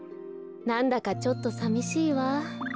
なんだかちょっとさみしいわ。